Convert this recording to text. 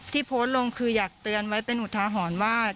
โพสต์ลงคืออยากเตือนไว้เป็นอุทาหรณ์ว่า